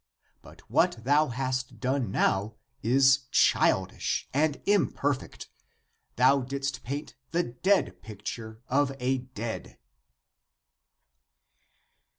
But what thou hast clone now is childish and imperfect: thou didst paint the dead picture of a dead."